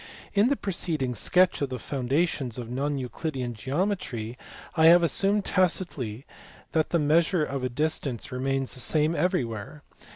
In the preceding sketch of the foundations of non Euclidean geometry I have assumed tacitly that the measure of a distance remains the same everywhere.